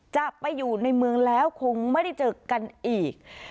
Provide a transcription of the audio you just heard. จะไปอยู่ในเมืองแล้วคงไม่ได้เจอกันอีก